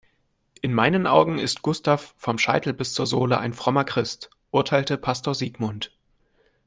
"In meinen Augen ist Gustav vom Scheitel bis zur Sohle ein frommer Christ", urteilte Pastor Sigmund.